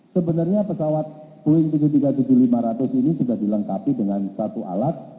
sebenarnya pesawat boeing tujuh ratus tiga puluh tujuh lima ratus ini sudah dilengkapi dengan satu alat